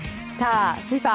ＦＩＦＡ